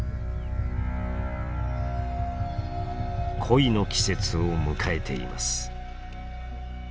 恋の季節を迎えています。